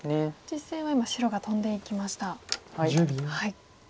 実戦は今白がトンでいきました。